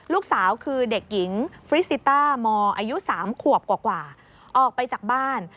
ลูกสาวคือเด็กหญิงฟริซิต้ามอายุ๓ขวบกว่าออกไปจากบ้าน